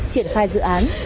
triển khai dự án